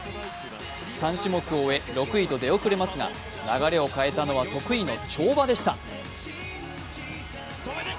３種目を終え、６位と出遅れますが流れを変えたのは得意の跳馬でした。